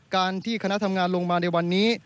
การที่คณะทำงานลงมาในวันนี้